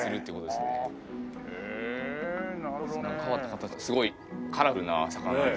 すごいカラフルな魚で。